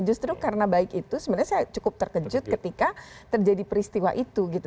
justru karena baik itu sebenarnya saya cukup terkejut ketika terjadi peristiwa itu gitu